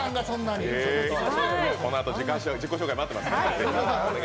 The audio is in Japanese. このあと自己紹介が待ってますのでね。